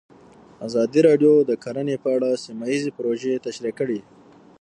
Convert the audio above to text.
ازادي راډیو د کرهنه په اړه سیمه ییزې پروژې تشریح کړې.